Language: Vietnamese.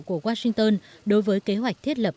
của washington đối với kế hoạch thiết lập